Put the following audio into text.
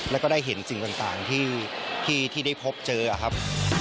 แล้วก็ได้เห็นสิ่งต่างที่ได้พบเจอครับ